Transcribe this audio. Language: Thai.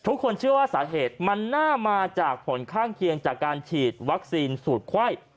ทุกคนเชื่อว่าสาเหตุมันน่ามาจากผลข้างเคียงจากการฉีดวัคซีนสูตรไข้